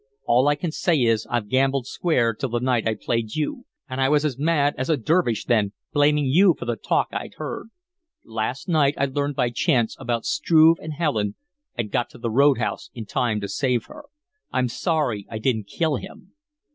All I can say is, I've gambled square till the night I played you, and I was as mad as a dervish then, blaming you for the talk I'd heard. Last night I learned by chance about Struve and Helen and got to the road house in time to save her. I'm sorry I didn't kill him."